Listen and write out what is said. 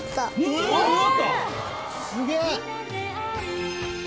すげえ。